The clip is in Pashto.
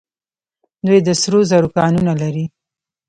دوی د سرو زرو کانونه لري.